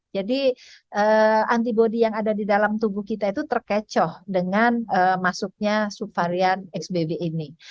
jadi antibody yang ada di dalam tubuh kita itu terkecoh dengan masuknya subvarian xbb ini